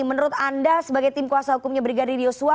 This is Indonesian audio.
menurut anda sebagai tim kuasa hukumnya brigadir yosua